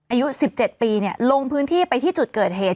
อายุ๑๗ปีลงพื้นที่ไปที่จุดเกิดเหตุ